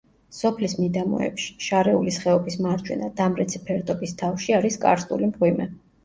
სოფლის მიდამოებში, შარეულის ხეობის მარჯვენა, დამრეცი ფერდობის თავში არის კარსტული მღვიმე.